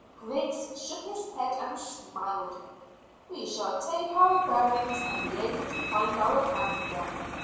Griggs shook his head and smiled. "We shall take our bearings, and be able to find our camp again.